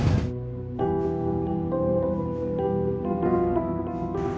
hidup seorang anak yang baik